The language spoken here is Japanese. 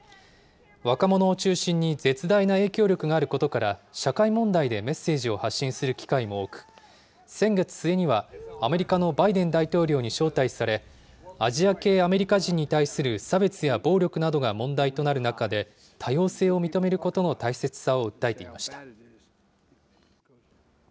若者を中心に絶大な影響力があることから、社会問題でメッセージを発信する機会も多く、先月末にはアメリカのバイデン大統領に招待され、アジア系アメリカ人に対する差別や暴力などが問題となる中で、多様性を認めることの大切さを訴えていました。